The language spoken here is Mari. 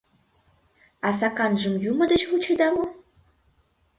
А саканжым юмо деч вучеда мо?